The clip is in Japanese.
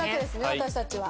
私たちは。